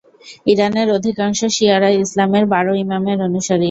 ইরানের অধিকাংশ শিয়ারা ইসলামের বারো ইমামের অনুসারী।